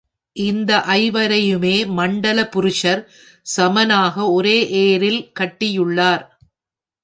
இந்த ஐவரையுமே மண்டல புருடர் சமனாக ஒரே ஏரில் கட்டியுள்ளார்.